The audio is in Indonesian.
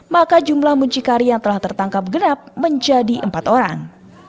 maka jumlah muncikari yang telah tertangkap genap menjadi empat orang